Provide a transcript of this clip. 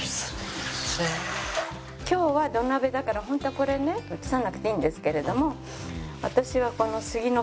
今日は土鍋だから本当はこれね移さなくていいんですけれども。